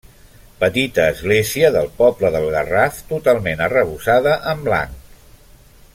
Petita església del poble del Garraf totalment arrebossada en blanc.